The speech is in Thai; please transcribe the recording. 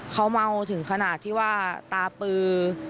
เขาเมาถึงขนาดที่ว่าตาปือ